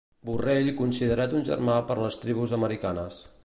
Borrell considerat un germà per les tribus americanes